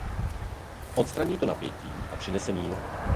Odstraní to napětí a přinese mír.